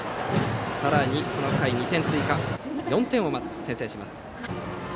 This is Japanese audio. さらにこの回、２点追加４点をまず先制します。